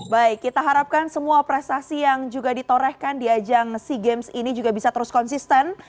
baik kita harapkan semua prestasi yang juga ditorehkan di ajang sea games ini juga bisa terus konsisten